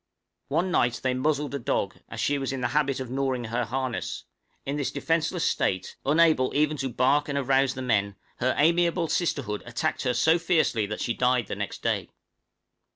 One night they muzzled a dog, as she was in the habit of gnawing her harness: in this defenceless state, unable even to bark and arouse the men, her amiable sisterhood attacked her so fiercely that she died next day!